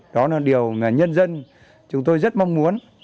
đó là điều mà nhân dân chúng tôi rất mong muốn